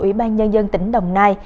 ủy ban nhân dân tỉnh đồng nai